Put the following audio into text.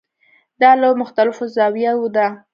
دا له مختلفو زاویو ده.